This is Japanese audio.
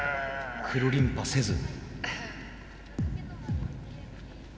くるりんぱせず。